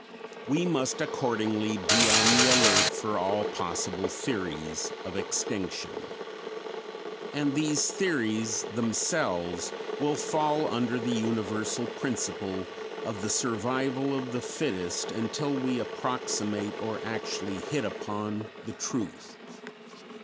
We must accordingly be on the alert for all possible theories of extinction; and these theories themselves will fall under the universal principle of the survival of the fittest until we approximate or actually hit upon the truth.